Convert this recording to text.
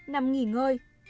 nằm nghỉ ngơi